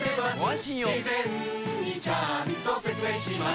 事前にちゃんと説明します